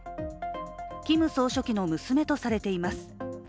キム総書記の娘とされています。